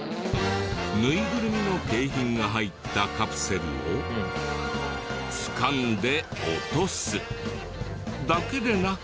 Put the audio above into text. ぬいぐるみの景品が入ったカプセルを掴んで落とすだけでなく。